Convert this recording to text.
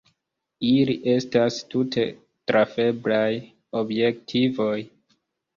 Ili estas tute trafeblaj objektivoj.